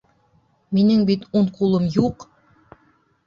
Минең бит ун ҡулым юҡ!